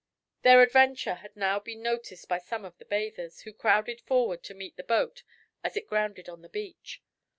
Their adventure had now been noticed by some of the bathers, who crowded forward to meet the boat as it grounded on the beach.